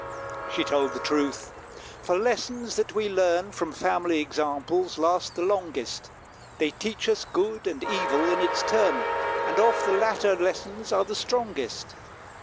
She told the truth for lessons that we learn From family examples last the longest. They teach us good and evil, in its turn; And oft the latter lessons are the strongest.